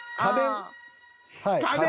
「家電」。